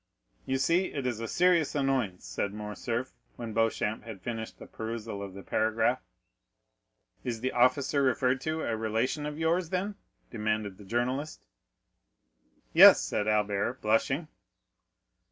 "You see it is a serious annoyance," said Morcerf, when Beauchamp had finished the perusal of the paragraph. "Is the officer referred to a relation of yours, then?" demanded the journalist. "Yes," said Albert, blushing.